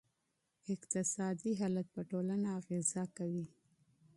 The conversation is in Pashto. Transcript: اقتصادي حالت په ټولنه اغېزه کوي.